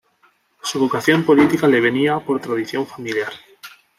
Su vocación política le venía por tradición familiar.